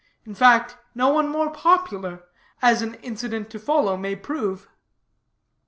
In fact, no one more popular, as an incident to follow may prove.